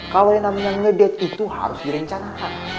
kalau yang namanya ngedet itu harus direncanakan